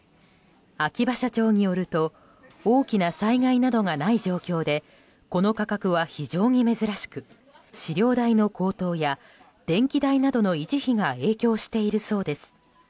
秋葉社長によると大きな災害などがない状況でこの価格は、非常に珍しく飼料代の高騰や電気代などの維持費が影響しているそうです。